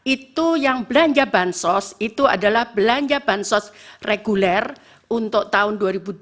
itu yang belanja bantuan sosial itu adalah belanja bantuan sosial reguler untuk tahun dua ribu dua puluh tiga